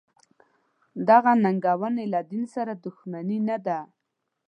دغه ننګونې له دین سره دښمني نه ده.